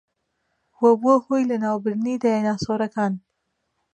و بووە هۆی لەناوبردنی دایناسۆرەکان